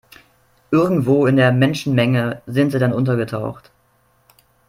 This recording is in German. Irgendwo in der Menschenmenge sind sie dann untergetaucht.